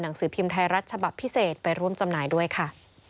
สือพิมพ์ไทยรัฐฉบับพิเศษไปร่วมจำหน่ายด้วยค่ะ